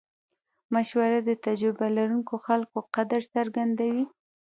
مشوره د تجربه لرونکو خلکو قدر څرګندوي.